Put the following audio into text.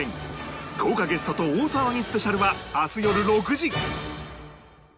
豪華ゲストと大騒ぎスペシャルは明日よる６時